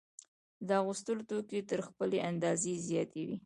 د اغوستلو توکي تر خپلې اندازې زیات وي